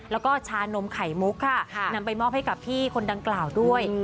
แล้วก็ชานมไข่มุกค่ะนำไปมอบให้กับพี่คนดังกล่าวด้วย